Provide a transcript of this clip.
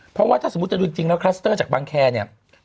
เพราะว่าถ้าสมมุติจะดูจริงแล้วคลัสเตอร์จากบางแคร์เนี่ย